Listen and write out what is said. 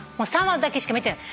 ３話だけしか見てない。